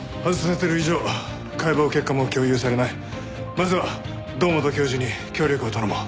まずは堂本教授に協力を頼もう。